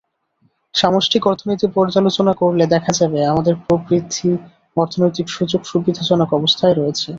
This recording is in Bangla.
সামষ্টিক অর্থনীতি পর্যালোচনা করলে দেখা যাবে, আমাদের প্রবৃদ্ধি, অর্থনৈতিক সূচক সুবিধাজনক অবস্থায় রয়েছে।